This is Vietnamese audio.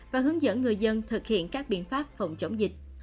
và hướng dẫn người dân thực hiện các biện pháp phòng chống dịch